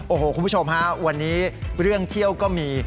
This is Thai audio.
โอ้โหคุณผู้ชมฮะวันนี้เรื่องเที่ยวก็มี